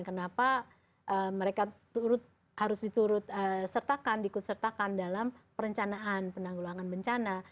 kenapa mereka harus diturut sertakan diikut sertakan dalam perencanaan penanggulangan bencana